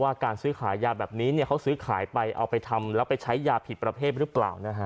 การซื้อขายยาแบบนี้เขาซื้อขายไปเอาไปทำแล้วไปใช้ยาผิดประเภทหรือเปล่า